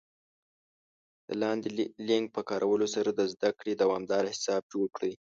د لاندې لینک په کارولو سره د زده کړې دوامدار حساب جوړ کړئ